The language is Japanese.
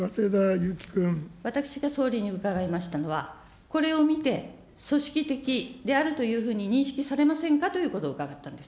私が総理に伺いましたのは、これを見て、組織的であるというふうに認識されませんかということを伺ったんです。